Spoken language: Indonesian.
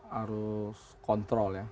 harus kontrol ya